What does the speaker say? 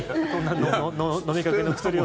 飲みかけの薬を。